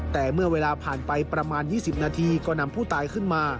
แต่เมื่อเวลาผ่านไปประมาณ๒๐นาทีก็นำผู้ตายขึ้นมา